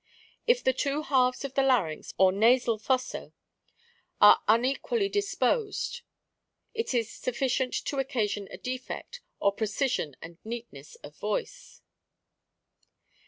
If the two halves of the larynx, or nasal fossoe, are unequally disposed, it is sufficient to occasion a defect, or precision and neatness of voice.